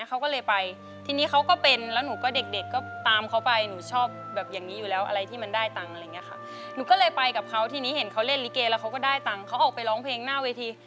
เขาก็เลยไปทีนี้เขาก็เป็นแล้วหนูก็เด็กเด็กก็ตามเขาไปหนูชอบแบบอย่างนี้อยู่แล้วอะไรที่มันได้ตังค์อะไรอย่างเงี้ยค่ะหนูก็เลยไปกับเขาทีนี้เห็นเขาเล่นลิเกแล้วเขาก็ได้ตังค์เขาออกไปร้องเพลงหน้าเวที